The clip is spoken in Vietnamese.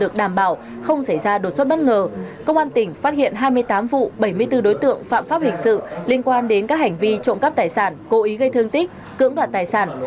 công an tỉnh phát hiện hai mươi tám vụ bảy mươi bốn đối tượng phạm pháp hình sự liên quan đến các hành vi trộm cắp tài sản cố ý gây thương tích cưỡng đoạn tài sản